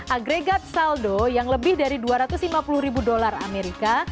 agregat saldo yang lebih dari dua ratus lima puluh ribu dolar amerika